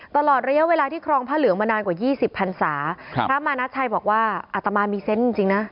ตลอดระยะเวลาที่ครองพระเหลืองมานานกว่ายี่สิบพันศาพระมานาชัยบอกว่าอัตมามีเซนต์จริงจริงนะ